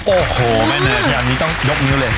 โอ้โหแม่เนยงานนี้ต้องยกนิ้วเลย